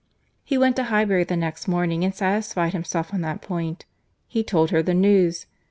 He went to Highbury the next morning, and satisfied himself on that point. He told her the news.